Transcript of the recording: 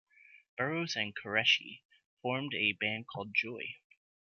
Burrows and Qureshi formed a band called Joy.